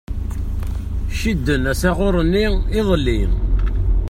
Cidden asaɣuṛ-nni iḍelli.